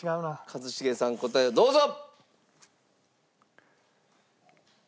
一茂さん答えをどうぞ！